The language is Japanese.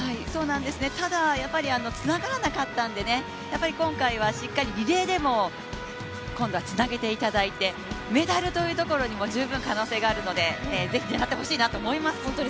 ただ、つながらなかったのでね、今回はしっかりリレーでもつなげていただいてメダルというところにも十分可能性があるので、是非、狙ってほしいなと思います。